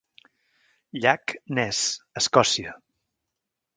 Llac Ness, Escòcia.